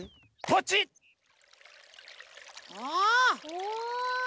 お！